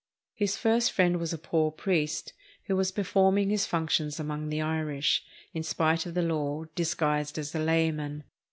His first friend was a poor priest, who was performing his functions among the Irish, in spite of the law, disguised as a layman.